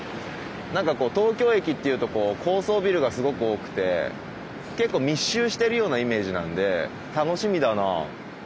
なんかこう東京駅っていうと高層ビルがすごく多くて結構密集してるようなイメージなんで楽しみだな。